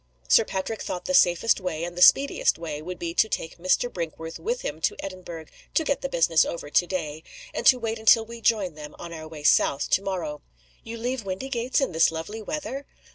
Sir Patrick thought the safest way and the speediest way would be to take Mr. Brinkworth with him to Edinburgh to get the business over to day and to wait until we join them, on our way south, to morrow." "You leave Windygates, in this lovely weather?"